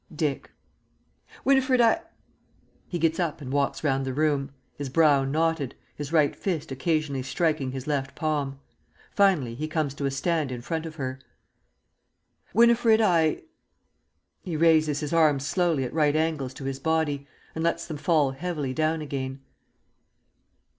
Dick. Winifred, I (_He gets up and walks round the room, his brow knotted, his right fist occasionally striking his left palm. Finally he comes to a stand in front of her._) Winifred, I (_He raises his arms slowly at right angles to his body and lets them fall heavily down again.